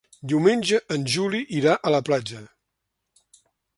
Diumenge en Juli irà a la platja.